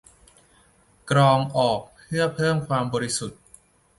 กรองออกเพื่อเพิ่มความบริสุทธิ์